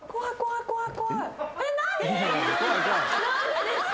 何でですか？